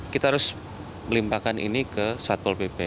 kita harus melimpahkan ini ke satpol pp